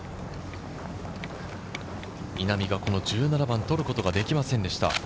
稲見が１７番取ることができませんでした。